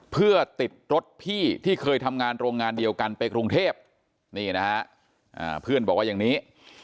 เพื่อติดรถพี่ที่เคยทำงานโรงงานเดียวกันไปกรุงเทพนี่นะฮะเพื่อนบอกว่าอย่างนี้